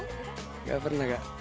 nggak pernah kak